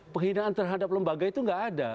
penghinaan terhadap lembaga itu tidak ada